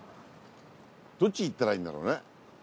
どっち行ったらいいんだろうね？